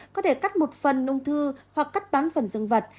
có thể cắt một phần úng thư hoặc cắt bán phần dân vật